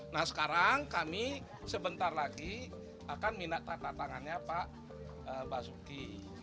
nah sekarang kami sebentar lagi akan minat tatangannya pak basuki